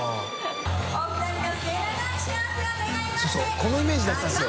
このイメージだったんですよ。